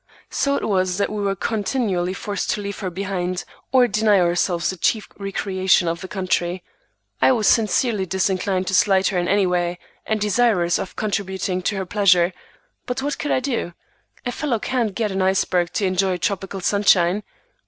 So it was that we were continually forced to leave her behind, or deny ourselves the chief recreation of the country. I was sincerely disinclined to slight her in any way, and desirous of contributing to her pleasure, but what could I do? A fellow can't get an iceberg to enjoy tropical sunshine.